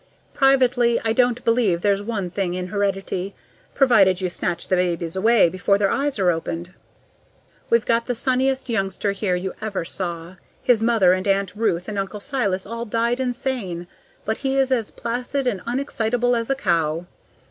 Privately, I don't believe there's one thing in heredity, provided you snatch the babies away before their eyes are opened. We've got the sunniest youngster here you ever saw; his mother and Aunt Ruth and Uncle Silas all died insane, but he is as placid and unexcitable as a cow.